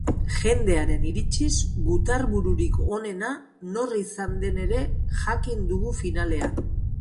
Jendearen iritziz, gutarbururik onena nor izan den ere jakin dugu finalean.